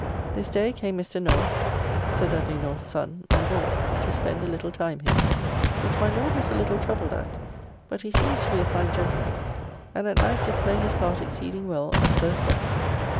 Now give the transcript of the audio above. This day came Mr. North (Sir Dudley North's son) on board, to spend a little time here, which my Lord was a little troubled at, but he seems to be a fine gentleman, and at night did play his part exceeding well at first sight.